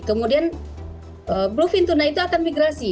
kemudian bluepin tuna itu akan migrasi